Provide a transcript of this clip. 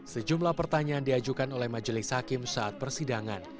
sejumlah pertanyaan diajukan oleh majelis hakim saat persidangan